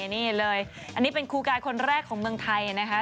นี่เลยอันนี้เป็นครูกายคนแรกของเมืองไทยนะคะ